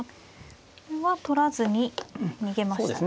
これは取らずに逃げましたね。